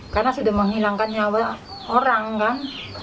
karena sudah menghilangkan nyawa orang kan